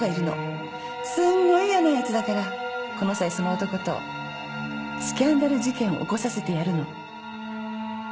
すごい嫌な奴だからこの際その男とスキャンダル事件を起こさせてやるの。